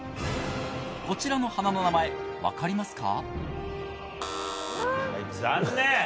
こちらの花の名前分かりますか？